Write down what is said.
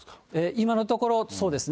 今のところ、そうですね。